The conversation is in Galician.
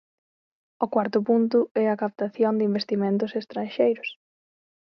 O cuarto punto é a captación de investimentos estranxeiros.